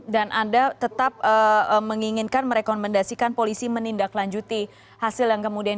dan anda tetap menginginkan merekomendasikan polisi menindaklanjuti hasil yang kemudian